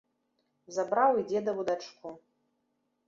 Забраў і дзедаву дачку.